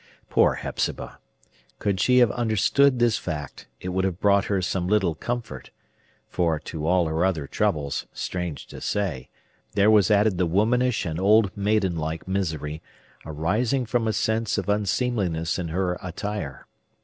Poor Hepzibah! Could she have understood this fact, it would have brought her some little comfort; for, to all her other troubles,—strange to say!—there was added the womanish and old maiden like misery arising from a sense of unseemliness in her attire.